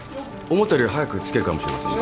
思ったより早く着けるかもしれませんね。